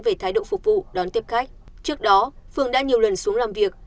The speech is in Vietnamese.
về thái độ phục vụ đón tiếp khách trước đó phương đã nhiều lần xuống làm việc